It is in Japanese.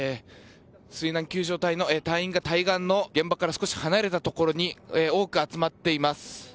水難救助隊の隊員が対岸の現場から少し離れたところに多く集まっています。